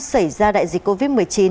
xảy ra đại dịch covid một mươi chín